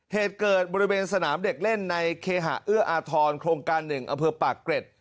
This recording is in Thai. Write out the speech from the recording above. เหตุเกิดบริเวณสนามเด็กเล่นในเคหะเอื้ออาทรโครงการ๑อำเภอปากเกร็ด